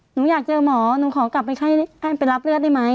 หนูอยากเจอหมอหนูขอกลับไปให้ไปรับเลือดได้ไหม